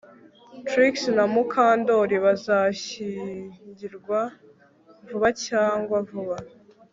Trix na Mukandoli bazashyingirwa vuba cyangwa vuba